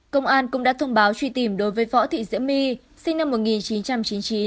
công an cũng đã thông báo truy tìm đối với võ thị diễm my sinh năm một nghìn chín trăm chín mươi chín